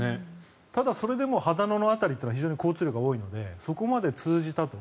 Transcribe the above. ただそれでも秦野の辺りは交通量が多いのでそこまで通じたと。